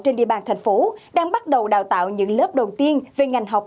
trên địa bàn thành phố đang bắt đầu đào tạo những lớp đầu tiên về ngành học